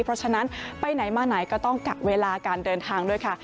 เพราะฉะนั้นไปไหนมาไหนก็ต้องกักเวลาการเดินทางด้วยค่ะ